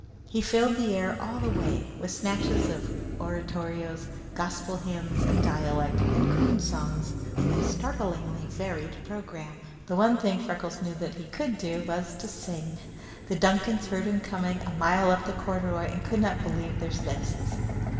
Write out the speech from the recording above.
He filled the air all the way with snatches of oratorios, gospel hymns, and dialect and coon songs, in a startlingly varied programme. The one thing Freckles knew that he could do was to sing. The Duncans heard him coming a mile up the corduroy and could not believe their senses.